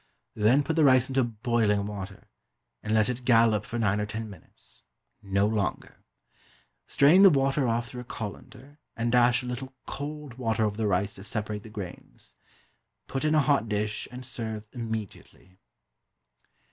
Then put the rice into boiling water, and let it "gallop" for nine or ten minutes no longer. Strain the water off through a colander, and dash a little cold water over the rice to separate the grains. Put in a hot dish, and serve immediately.